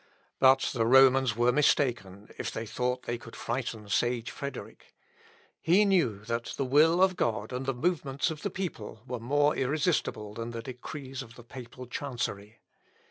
But the Romans were mistaken if they thought they could frighten sage Frederick. He knew that the will of God and the movements of the people were more irresistible than the decrees of the papal chancery.